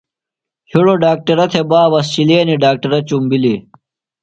ہڑوۡ ڈاکٹرہ تھےۡ بابہ، سِلینیۡ ڈاکٹرہ چُمبِلیۡ